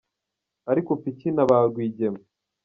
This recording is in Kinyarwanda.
Ariko upfa iki na ba Rwigema?